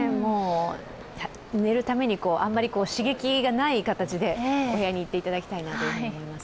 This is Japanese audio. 寝るために、あまり刺激がない形でお部屋に行っていただきたいと思います。